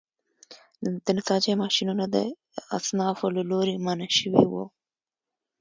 د نساجۍ ماشینونه د اصنافو له لوري منع شوي وو.